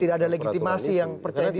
tidak ada legitimasi yang percaya diri